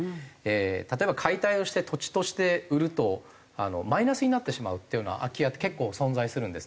例えば解体をして土地として売るとマイナスになってしまうっていうような空き家って結構存在するんですね。